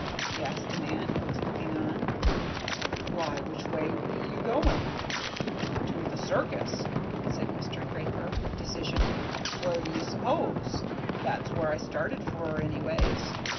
he asked a man who was looking on. "Why, which way be ye goin'?" "To the circus," said Mr. Craper, with decision, "where d'ye s'pose? That's where I started for, anyways."